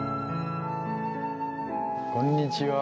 こんにちは。